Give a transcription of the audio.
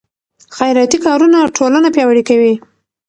خیراتي کارونه ټولنه پیاوړې کوي.